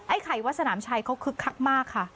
ไข่วัดสนามชัยเขาคึกคักมากค่ะ